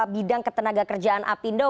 dari ketua bidang ketenaga kerjaan apindo